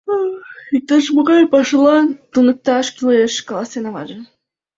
Иктаж-могай пашалан туныкташ кӱлеш, — каласен аваже.